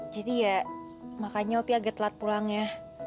jadi ya makanya opi agak telat pulangnya